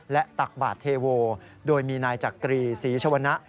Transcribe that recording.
และตักบาทเทโวโดยมีนายจักรีศรีชวนะ